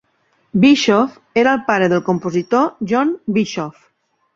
Bischoff era el pare del compositor John Bischoff.